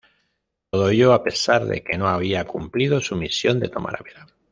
Todo ello a pesar de que no había cumplido su misión de tomar Ávila.